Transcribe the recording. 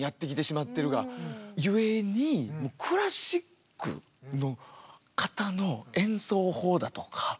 入ってクラシックの方の演奏法だとか。